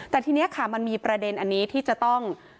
แต่ทีนี้ค่ะมันมีประเด็นอันนี้ที่จะต้อง